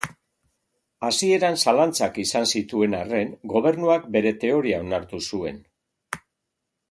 Hasieran zalantzak izan zituen arren, Gobernuak bere teoria onartu zuen.